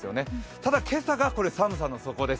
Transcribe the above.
ただ今朝が寒さの底です。